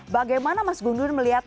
bagaimana mas gun melihat